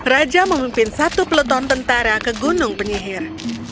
raja memimpin satu peleton tentara ke gunung penyihir